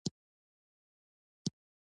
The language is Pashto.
ګاز د افغانانو د فرهنګي پیژندنې برخه ده.